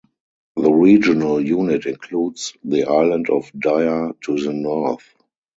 The regional unit includes the island of Dia to the north.